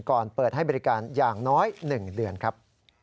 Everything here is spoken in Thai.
เปิดให้บริการอย่างน้อย๑เดือนครับ